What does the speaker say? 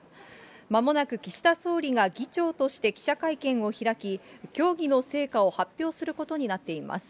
まもなく岸田総理が議長として記者会見を開き、協議の成果を発表することになっています。